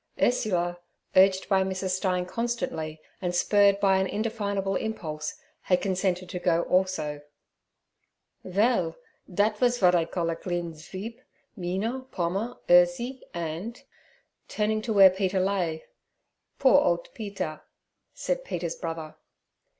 Ursula, urged by Mrs. Stein constantly, and spurred by an indefinable impulse, had consented to go also. 'Vell, dat vas vod I call a glean sveep, Mina, Pomer, Urzie, and'—turning to where Peter lay—'poor oldt Peter' said Peter's brother.